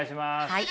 はい。